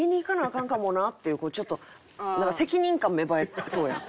カンかもなっていうちょっと責任感芽生えそうやん。